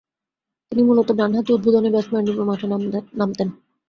তিনি মূলতঃ ডানহাতি উদ্বোধনী ব্যাটসম্যানরূপে মাঠে নামতেন।